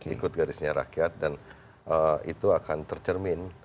ikut garisnya rakyat dan itu akan tercermin